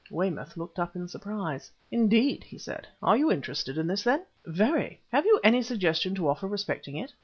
Weymouth looked up in surprise. "Indeed," he said. "You are interested in this, then?" "Very! Have you any suggestion to offer respecting it?"